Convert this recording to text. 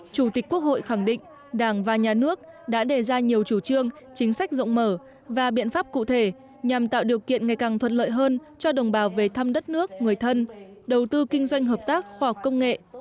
chủ tịch quốc hội khẳng định đảng và nhà nước đã đề ra nhiều chủ trương chính sách rộng mở và biện pháp cụ thể nhằm tạo điều kiện ngày càng thuận lợi hơn cho đồng bào về thăm đất nước người thân đầu tư kinh doanh hợp tác khoa học công nghệ